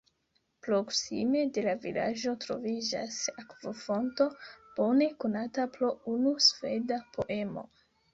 Proksime de la vilaĝo troviĝas akvofonto bone konata pro unu sveda poemo.